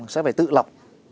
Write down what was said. sẽ phải tự lọc